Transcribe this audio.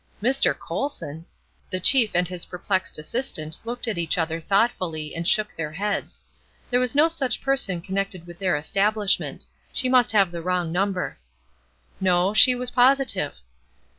"Mr. Colson!" The chief and his perplexed assistant looked at each other thoughtfully, and shook their heads. There was no such person connected with their establishment. She must have the wrong number. No; she was positive.